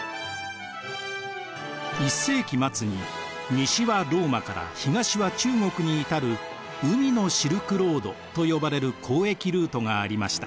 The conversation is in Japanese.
１世紀末に西はローマから東は中国に至る海のシルクロードと呼ばれる交易ルートがありました。